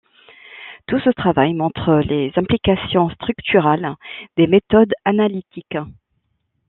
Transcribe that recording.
Tout ce travail montre les implications structurales des méthodes analytiques.